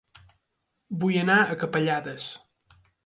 Vull anar a Capellades